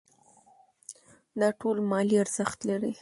دا ټول مالي ارزښت لري.